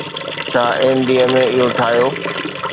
ڇا NDMA اهو ٺاهيو؟